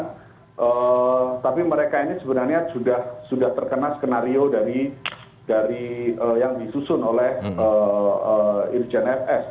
nah tapi mereka ini sebenarnya sudah terkena skenario dari yang disusun oleh irjen fs